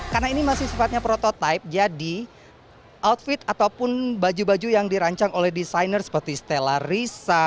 karena ini masih sifatnya prototipe jadi outfit ataupun baju baju yang dirancang oleh designer seperti stella risa